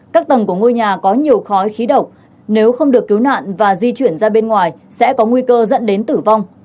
các tầng của ngôi nhà có nhiều khói khí độc nếu không được cứu nạn và di chuyển ra bên ngoài sẽ có nguy cơ dẫn đến tử vong